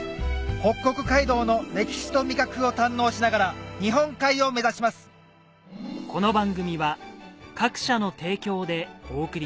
北国街道の歴史と味覚を堪能しながら日本海を目指します戸隠そば！